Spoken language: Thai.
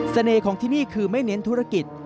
ของที่นี่คือไม่เน้นธุรกิจ